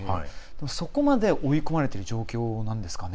そこまで追い込まれている状況なんですかね。